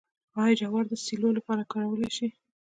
آیا جوار د سیلو لپاره کارولی شم؟